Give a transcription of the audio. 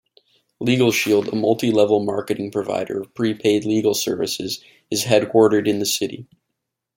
LegalShield, a multi-level marketing provider of pre-paid legal services, is headquartered in the city.